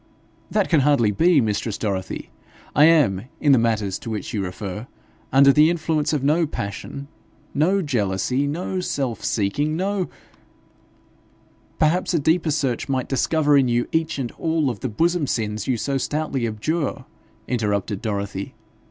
'That can hardly be, mistress Dorothy. I am, in the matters to which you refer, under the influence of no passion, no jealousy, no self seeking, no ' 'Perhaps a deeper search might discover in you each and all of the bosom sins you so stoutly abjure,' interrupted Dorothy.